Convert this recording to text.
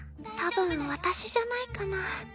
たぶん私じゃないかな。